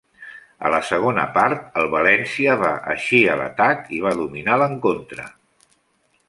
A la segona part, el València va eixir a l'atac i va dominar l'encontre.